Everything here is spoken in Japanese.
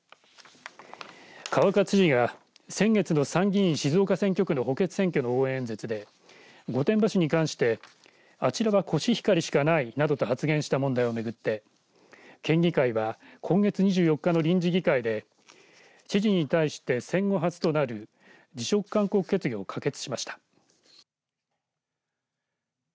川勝知事は先月の参議院静岡選挙区の補欠選挙の応援演説で御殿場市に関してあちらはコシヒカリしかないなどと発言した問題をめぐって県議会は今月２４日の臨時議会で知事に対して戦後初となる辞職勧告決議を可決しました。